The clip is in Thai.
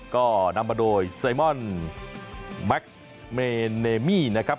ก็นำมาโดยไซมอนแม็กซ์เมเนมี่นะครับ